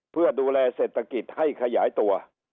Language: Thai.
เพื่อดูแลเศรษฐกิจให้ขยายตัว